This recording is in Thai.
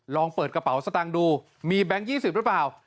ลองเปิดกระเป๋าสตางค์ดูมีแบงค์๒๐หรือเปล่า